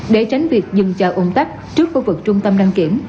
để tránh việc dừng chờ ôn tắt trước khu vực trung tâm đăng kiểm